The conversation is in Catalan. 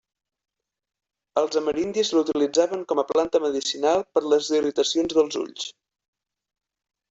Els amerindis l'utilitzaven com planta medicinal per les irritacions dels ulls.